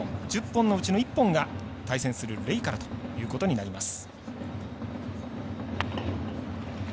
１０本のうちの１本が対戦するレイからということになります。